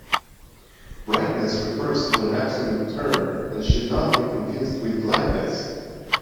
Brightness refers to an absolute term and should not be confused with Lightness.